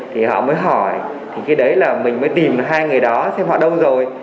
thì họ mới hỏi thì khi đấy là mình mới tìm hai người đó xem họ đâu rồi